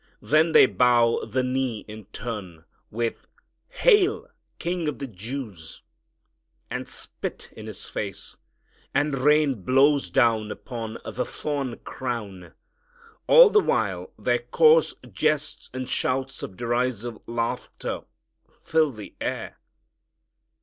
Then they bow the knee in turn, with "Hail! King of the Jews," and spit in His face, and rain blows down upon the thorn crown. All the while their coarse jests and shouts of derisive laughter fill the air.